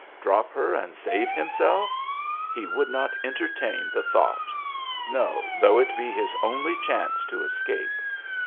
Drop her and save himself? He would not entertain the thought. No, though it be his only chance to escape!